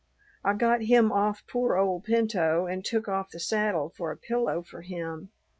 I got him off poor old Pinto, and took off the saddle for a pillow for him.